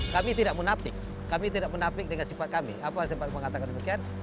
kami tidak menapik kami tidak menapik dengan sifat kami apa yang sempat mengatakan demikian